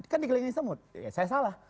kan dikelilingi semut saya salah